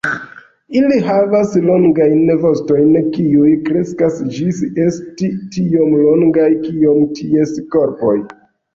Ili havas longajn vostojn kiuj kreskas ĝis esti tiom longaj kiom ties korpoj.